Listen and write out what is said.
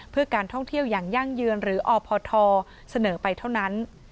เพื่อการท่องเที่ยวอย่างยั่งยืนหรืออพทเสนอไปเท่านั้น